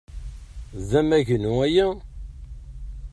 D amagnu aya?